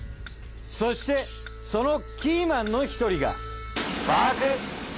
そしてそのキーマンの１人が。